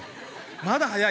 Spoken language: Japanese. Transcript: まだ早い？